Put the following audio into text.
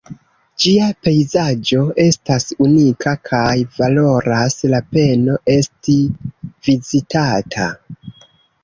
Ĝia pejzaĝo estas unika kaj valoras la peno esti vizitata.